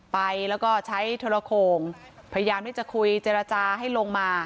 ไปแล้วก็ใช้โทรโขงพยายามที่จะคุยเจรจาให้ลงมา